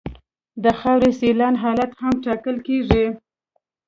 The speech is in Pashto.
د خاورې سیلان حالت هم ټاکل کیږي